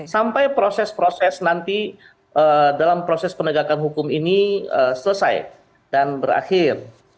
sampai proses proses nanti dalam proses penegakan hukum ini selesai dan berakhir